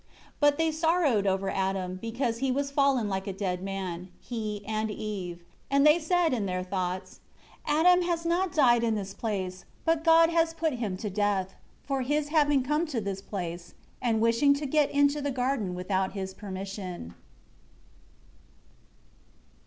12 But they sorrowed over Adam, because he was fallen like a dead man, he and Eve; and they said in their thoughts, "Adam has not died in this place; but God has put him to death, for his having come to this place, and wishing to get into the garden without His permission."